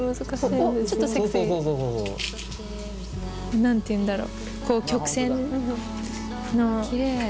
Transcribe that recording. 何ていうんだろう。